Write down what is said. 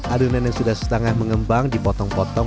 adonan yang sudah setengah mengembang dipotong potong